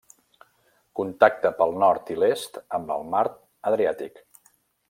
Contacta pel nord i l'est amb el mar Adriàtic.